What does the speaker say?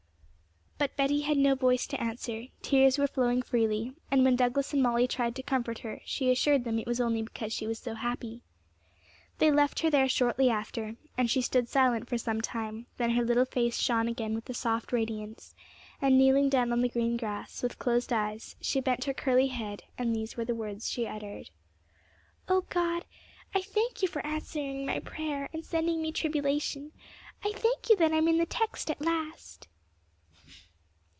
But Betty had no voice to answer; tears were flowing freely, and when Douglas and Molly tried to comfort her, she assured them it was only because she was so happy. They left her there shortly after, and she stood silent for some time; then her little face shone again with a soft radiance, and kneeling down on the green grass, with closed eyes, she bent her curly head, and these were the words she uttered, 'O God, I thank You for answering my prayer, and sending me tribulation. I thank You that I'm in the text at last!'